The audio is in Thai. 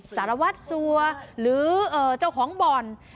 สารวัตรสัวหรือเจ้าของบ่อน